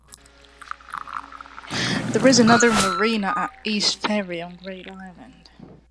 There is another marina at East Ferry on Great Island.